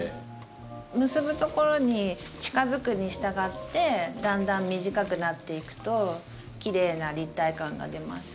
結ぶところに近づくにしたがってだんだん短くなっていくときれいな立体感が出ます。